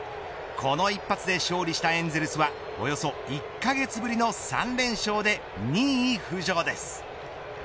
この一発で勝利したエンゼルスはおよそ１カ月ぶりの３連勝で２位に浮上です。